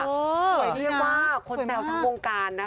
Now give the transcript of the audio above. สวยดีมากคนแสวทั้งวงการนะคะ